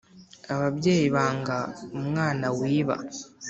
Ababyeyi banga umwana wiba